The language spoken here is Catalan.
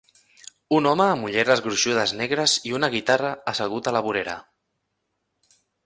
Un home amb ulleres gruixudes negres i una guitarra assegut a la vorera.